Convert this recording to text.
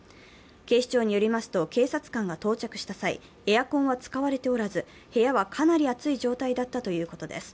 警視庁によりますと警察官が到着した際エアコンは使われておらず部屋はかなり暑い状態だったということです。